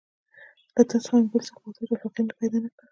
له تا څخه مې بل څوک محتاج او فقیر پیدا نه کړ.